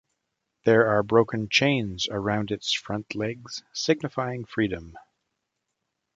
There are broken chains around its front legs, signifying freedom.